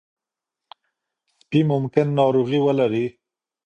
سپي ممکن ناروغي ولري.